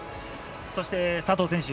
そして、佐藤選手